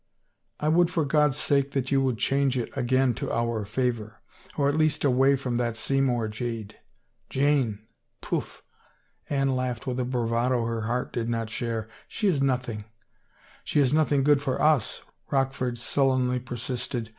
" I would for God's sake that you would change it again to our favor. Or at least away from that Seymour jade." " Jane ! Poof !" Anne laughed with a bravado her heart did not share. " She is nothing —"" She is nothing good for us," Rockford sullenly per sisted.